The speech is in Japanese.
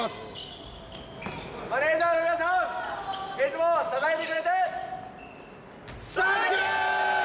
マネージャーの皆さん、いつも支えてくれてサンキュー！